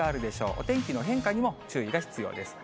お天気の変化にも注意が必要です。